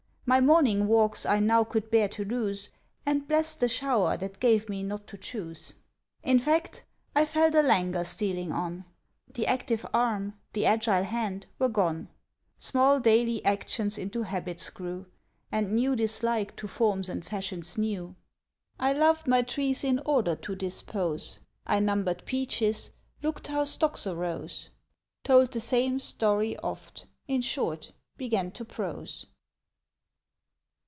My morning walks I now could bear to lose, And blessed the shower that gave me not to choose. In fact, I felt a languor stealing on; The active arm, the agile hand, were gone; Small daily actions into habits grew, And new dislike to forms and fashions new. I loved my trees in order to dispose; I numbered peaches, looked how stocks arose; Told the same story oft, in short, began to prose.